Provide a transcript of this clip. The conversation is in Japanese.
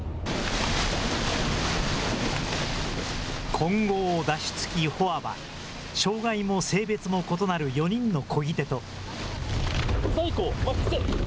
混合舵手つきフォアは、障害も性別も異なる４人のこぎ手と。